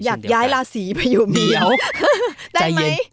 อยากย้ายราศีไปอยู่เหมียวได้ไหม